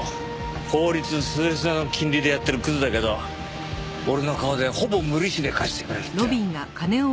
法律スレスレの金利でやってるクズだけど俺の顔でほぼ無利子で貸してくれるってよ。